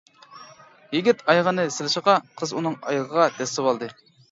يىگىت ئايىغىنى سىلىشىغا قىز ئۇنىڭ ئايىغىغا دەسسىۋالدى.